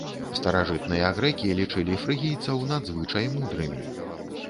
Старажытныя грэкі лічылі фрыгійцаў надзвычай мудрымі.